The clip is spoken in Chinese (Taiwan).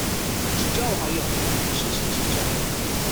請加我好友，有事情請教